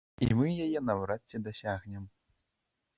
І мы яе наўрад ці дасягнем.